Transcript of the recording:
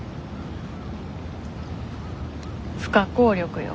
不可抗力よ。